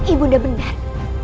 ibu nda benar